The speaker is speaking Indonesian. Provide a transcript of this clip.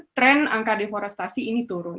tren angka deforestasi ini turun